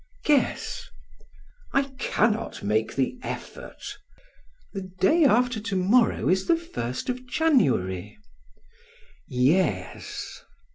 "Guess." "I cannot make the effort." "The day after to morrow is the first of January." "Yes."